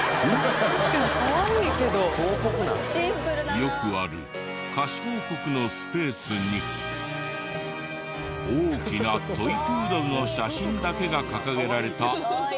よくある貸広告のスペースに大きなトイプードルの写真だけが掲げられた看板が。